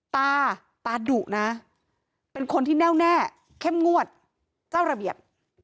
ตาตาดุนะเป็นคนที่แน่วแน่เข้มงวดเจ้าระเบียบ